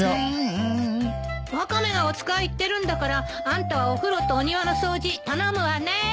ワカメがお使い行ってるんだからあんたはお風呂とお庭の掃除頼むわね。